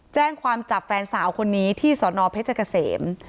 แจ้งความจับแฟนสาวคนนี้ที่สนเพชรเกษม